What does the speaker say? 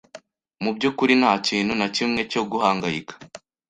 Mu byukuri ntakintu nakimwe cyo guhangayika.